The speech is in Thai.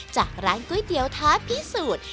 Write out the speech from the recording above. จากร้านก๋วยเตี๋ยวท้าพิสูจน์